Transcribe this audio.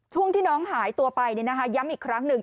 ช่วงที่น้องหายตัวไปย้ำอีกครั้งหนึ่ง